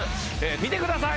見てください！